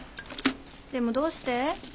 でもどうして？